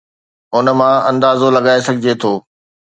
ان مان اندازو لڳائي سگهجي ٿو.